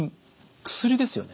薬ですよね。